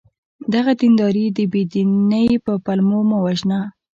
دغه دینداران د بې دینی په پلمو مه وژنه!